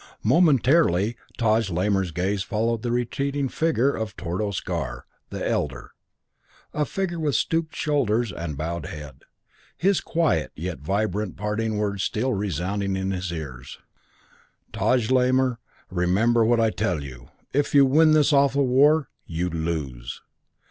Momentarily Taj Lamor's gaze followed the retreating figure of Tordos Gar, the Elder; a figure with stooped shoulders and bowed head. His quiet yet vibrant parting words still resounded in his ears: "Taj Lamor, remember what I tell you. If you win this awful war you lose.